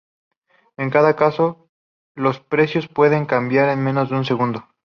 En cada caso los precios pueden cambiar en menos de un segundo.